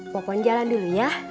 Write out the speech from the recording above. mau pohon jalan dulu ya